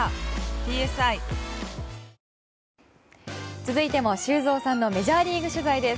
続いても、修造さんのメジャーリーグ取材です。